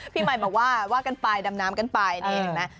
พี่ใหม่บอกว่าว่ากันไปดำน้ำกันไปนี่เห็นไหม